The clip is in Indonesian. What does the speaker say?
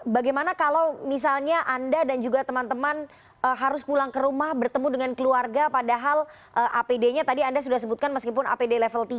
bagaimana kalau misalnya anda dan juga teman teman harus pulang ke rumah bertemu dengan keluarga padahal apd nya tadi anda sudah sebutkan meskipun apd level tiga